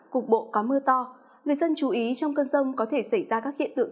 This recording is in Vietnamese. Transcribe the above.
cục bộ có mưa to người dân chú ý trong cơn rông có thể xảy ra các hiện tượng